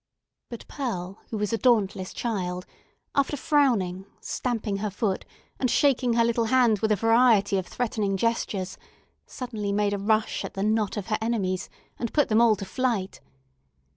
But Pearl, who was a dauntless child, after frowning, stamping her foot, and shaking her little hand with a variety of threatening gestures, suddenly made a rush at the knot of her enemies, and put them all to flight.